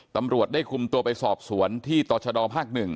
ตำรวจได้คุมตัวไปสอบสวนที่ตรชดภาค๑